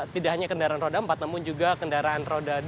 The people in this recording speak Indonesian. tidak hanya kendaraan roda empat namun juga kendaraan roda dua